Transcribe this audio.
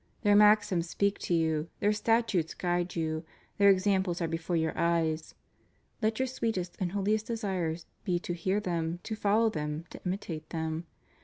Their maxims speak to you, their statutes guide you; their examples are before your eyes. Let your sweetest and holiest desires be to hear them, to follow them, to imitate them.